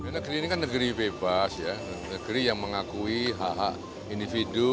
negeri ini kan negeri bebas negeri yang mengakui hak hak individu